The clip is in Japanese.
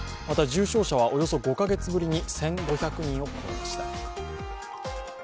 また重症者はおよそ５カ月ぶりに１５００人を超えました。